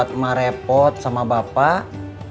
buat emak repot sama bapak